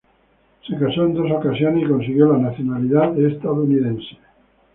Se casó en dos ocasiones, y consiguió la nacionalidad estadounidense.